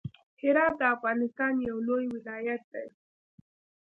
هرات د افغانستان يو لوی ولايت دی.